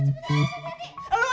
matanya cepet beruang